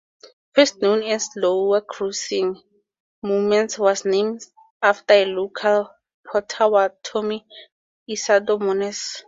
First known as "Lower Crossing", Momence was named after a local Potawatomi, Isadore Moness.